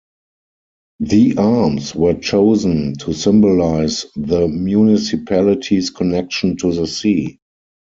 The arms were chosen to symbolize the municipality's connection to the sea.